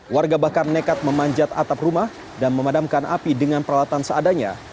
warga bahkan nekat memanjat atap rumah dan memadamkan api dengan peralatan seadanya